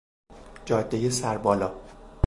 جادهی سربالا